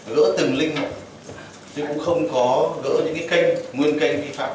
gỡ từng link nhưng cũng không có gỡ những cái kênh nguyên kênh vi phạm